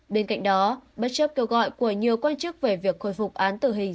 bên cạnh đó bất chấp kêu gọi của nhiều quan chức về việc khôi phục án tử hình